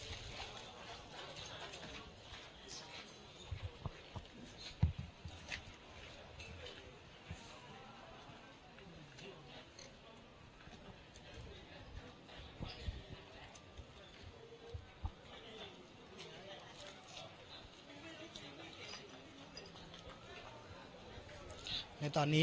ไม่เป็นไรไม่เป็นไร